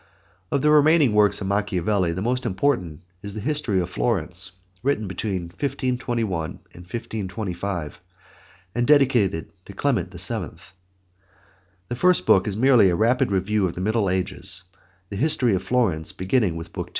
Of the remaining works of Machiavelli the most important is the History of Florence written between 1521 and 1525, and dedicated to Clement VII. The first book is merely a rapid review of the Middle Ages, the history of Florence beginning with Book II.